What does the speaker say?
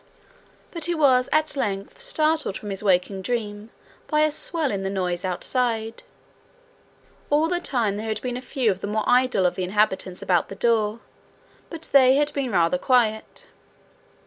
But he was at length startled from his waking dream by a swell in the noise outside. All the time there had been a few of the more idle of the inhabitants about the door, but they had been rather quiet.